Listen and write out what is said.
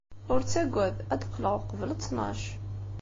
Ur ttagad, ad d-qqleɣ uqbel ttnac.